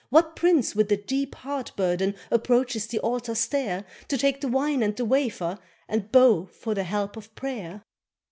What prince with a deep heart burden Approaches the altar's stair, To take the wine and the wafer, And bow for the help of prayer?